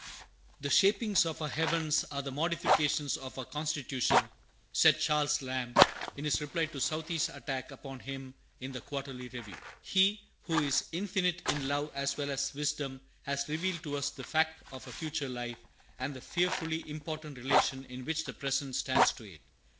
[1844.] "THE shapings of our heavens are the modifications of our constitution," said Charles Lamb, in his reply to Southey's attack upon him in the Quarterly Review. He who is infinite in love as well as wisdom has revealed to us the fact of a future life, and the fearfully important relation in which the present stands to it.